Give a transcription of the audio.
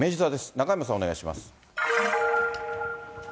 中山さん、お願いします。